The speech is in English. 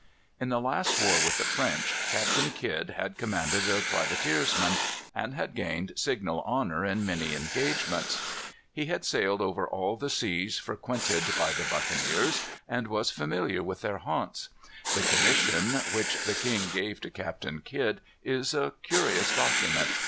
In the last war with the French, Captain Kidd had commanded a privateersman, and had gained signal honor in many engagements. He had sailed over all the seas frequented by the buccaneers, and was familiar with their haunts. The commission which the king gave to Captain Kidd is a curious document.